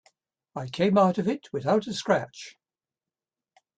I came out of it without a scratch.